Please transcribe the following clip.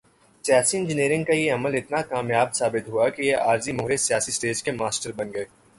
سیاسی انجینئرنگ کا یہ عمل اتنا کامیاب ثابت ہوا کہ یہ عارضی مہرے سیاسی سٹیج کے ماسٹر بن گئے۔